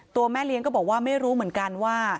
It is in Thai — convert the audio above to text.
แม่เลี้ยงก็บอกว่าไม่รู้เหมือนกันว่า